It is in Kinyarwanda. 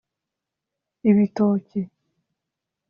ibitoki